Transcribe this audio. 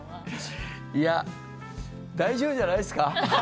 大丈夫じゃないですか。